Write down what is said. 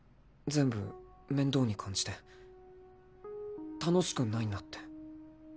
全部面倒に感じて楽しくないなって。